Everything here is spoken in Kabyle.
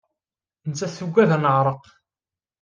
Nettat tuggad ad neɛreq.